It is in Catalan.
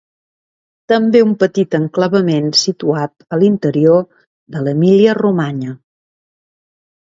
També un petit enclavament situat a l'interior de l'Emília-Romanya.